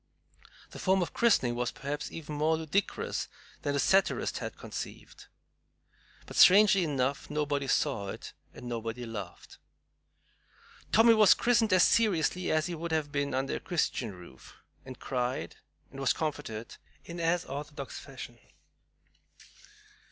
The form of christening was perhaps even more ludicrous than the satirist had conceived; but strangely enough, nobody saw it and nobody laughed. "Tommy" was christened as seriously as he would have been under a Christian roof and cried and was comforted in as orthodox fashion.